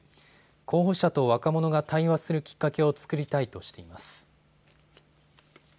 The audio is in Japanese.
候補者と若者が対話するきっかけを作りたいとしています。